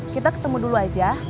kita ketemu dulu aja